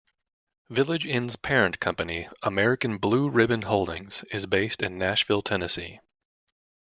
Village Inn's parent company, American Blue Ribbon Holdings, is based in Nashville, Tennessee.